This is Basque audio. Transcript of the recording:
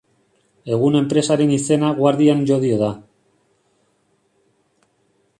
Egun enpresaren izena Guardian Llodio da.